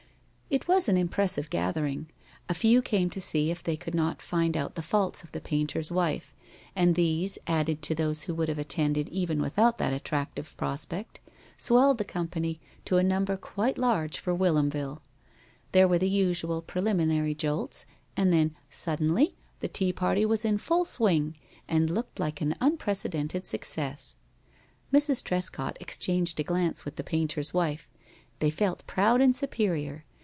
It was an impressive gathering. A few came to see if they could not find out the faults of the painter's wife, and these, added to those who would have attended even without that attractive prospect, swelled the company to a number quite large for Whilomville. There were the usual preliminary jolts, and then suddenly the tea party was in full swing, and looked like an unprecedented success. Mrs. Trescott exchanged a glance with the painter's wife. They felt proud and superior.